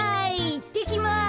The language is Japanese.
いってきます。